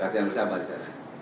latihan bersama ya